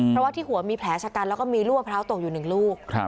เพราะว่าที่หัวมีแผลชะกันแล้วก็มีลูกมะพร้าวตกอยู่๑ลูก